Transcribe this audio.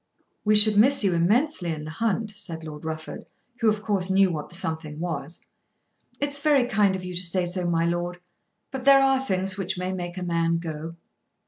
"We should miss you immensely in the hunt," said Lord Rufford, who of course knew what the something was. "It's very kind of you to say so, my lord. But there are things which may make a man go."